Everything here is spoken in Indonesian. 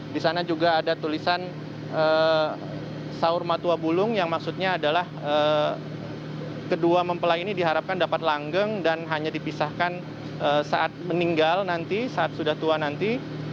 di sana juga ada tulisan saur matua bulung yang maksudnya adalah kedua mempelai ini diharapkan dapat langgeng dan hanya dipisahkan saat meninggal nanti saat sudah tua nanti